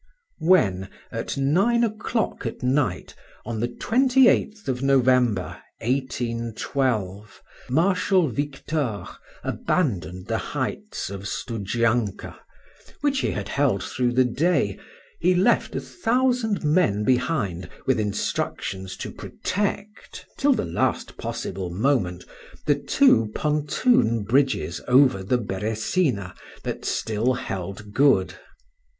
When, at nine o'clock at night, on the 28th of November 1812, Marshal Victor abandoned the heights of Studzianka, which he had held through the day, he left a thousand men behind with instructions to protect, till the last possible moment, the two pontoon bridges over the Beresina that still held good.